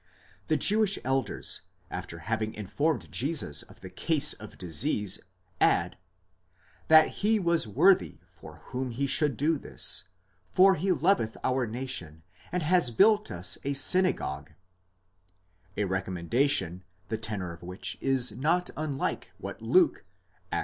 The Jewish elders, after having informed Jesus of the case of disease, add that he was worthy for whom he should do this, for he loveth our nation and has built us a synagogue: a recom mendation the tenor of which is not unlike what Luke (Acts x.